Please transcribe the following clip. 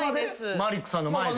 マリックさんの前で。